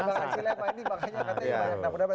silahkan pak andi makanya katanya ya